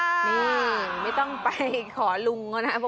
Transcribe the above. นี่ไม่ต้องไปขอลุงก็นะ